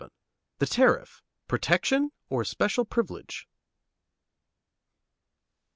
VII THE TARIFF "PROTECTION," OR SPECIAL PRIVILEGE?